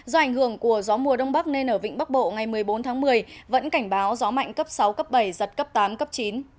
do ảnh hưởng của gió mùa đông bắc nên ở vịnh bắc bộ ngày một mươi bốn tháng một mươi vẫn cảnh báo gió mạnh cấp sáu cấp bảy giật cấp tám cấp chín